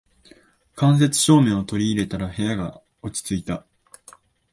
間接照明を取り入れたら部屋が落ち着いた